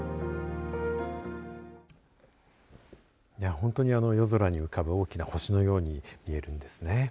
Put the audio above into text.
本当に夜空に浮かぶ大きな星のように見えるんですね。